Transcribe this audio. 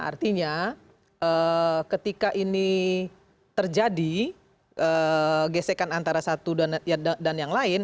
artinya ketika ini terjadi gesekan antara satu dan yang lain